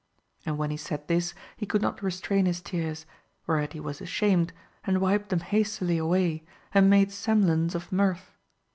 And when he said this he could not restrain his tears, whereat he was ashamed, and wiped them hastily away, and made semblance of mirth.